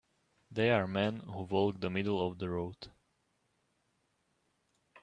They are men who walk the middle of the road.